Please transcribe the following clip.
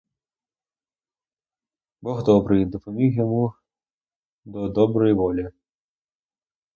Бог добрий, допоміг йому до доброї волі.